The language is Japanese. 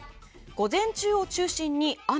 午前中を中心に雨。